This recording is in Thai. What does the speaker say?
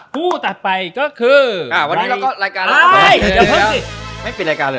คู่ถัดไปก็คือวันนี้เราก็รายการเราไม่ปิดรายการเลย